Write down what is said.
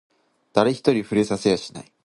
誰一人触れさせやしない